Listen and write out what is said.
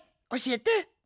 おしえて！